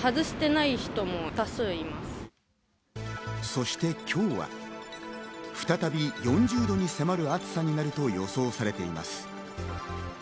そして今日は、再び４０度に迫る暑さになると予想されています。